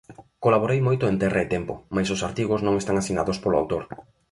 Colaborei moito en Terra e Tempo mais os artigos non están asinados polo autor.